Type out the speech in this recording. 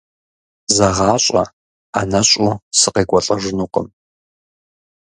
ЗэгъащӀэ, ӀэнэщӀу сыкъекӀуэлӀэжынукъым.